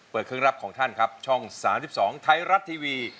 เปิดเครื่องรับของท่านครับช่องสถานที่สองไทยรัฐทีวี